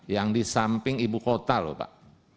yang di samping ibu kota loh pak